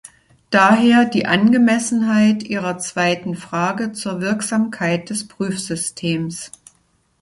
Daher die Angemessenheit ihrer zweiten Frage zur Wirksamkeit des Prüfsystems.